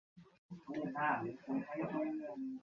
Lady মেডেলিনের coffin সেই কক্ষে রেখে আসবার সাত কি আট দিন পরে।